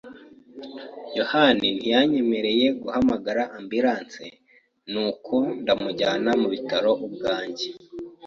yohani ntiyanyemereye guhamagara ambulance nuko ndamujyana mubitaro ubwanjye.